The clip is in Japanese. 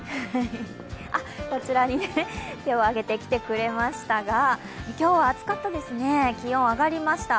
こちらに手を上げて来てくれましたが今日は暑かったですね、気温、上がりました。